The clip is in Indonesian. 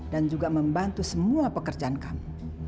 dan juga membantu semua pekerjaan kamu